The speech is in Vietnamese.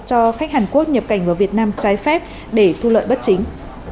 cho khách hàn quốc nhập cảnh vào việt nam trái phép để thu lợi bất chính